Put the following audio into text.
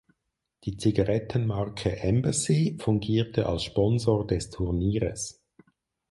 Die Zigarettenmarke "Embassy" fungierte als Sponsor des Turnieres.